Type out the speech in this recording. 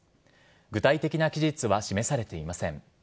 具体的な期日は示されていません。